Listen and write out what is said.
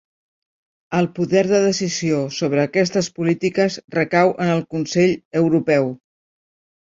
El poder de decisió sobre aquestes polítiques recau en el Consell Europeu.